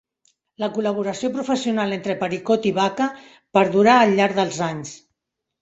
La col·laboració professional entre Pericot i Baca perdurà al llarg dels anys.